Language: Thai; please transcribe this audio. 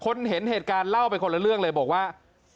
เห็นเหตุการณ์เล่าไปคนละเรื่องเลยบอกว่า